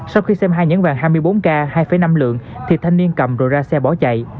sau khi xem hai nhẫn vàng hai mươi bốn k hai năm lượng thì thanh niên cầm rồi ra xe bỏ chạy